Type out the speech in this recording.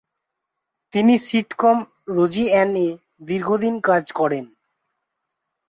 তিনি সিটকম রোজিঅ্যান-এ দীর্ঘদিন কাজ করেন।